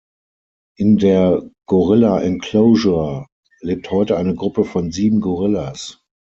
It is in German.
In der "Gorilla Enclosure" lebt heute eine Gruppe von sieben Gorillas.